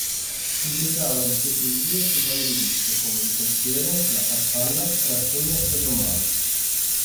Pubblicava le sue poesie su varie riviste, come "Il pensiero", "La farfalla", "Rassegna filodrammatica".